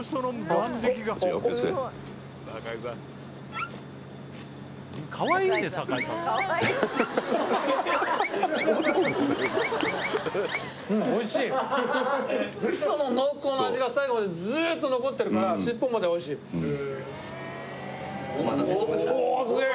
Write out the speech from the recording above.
熱いよ気をつけてうんおいしいミソの濃厚な味が最後までずっと残ってるから尻尾までおいしいへえお待たせしましたおおすげえ！